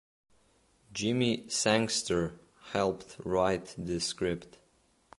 Jimmy Sangster helped write the script.